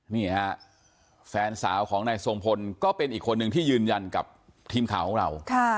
นี่ฮะแฟนสาวของนายทรงพลก็เป็นอีกคนนึงที่ยืนยันกับทีมข่าวของเรา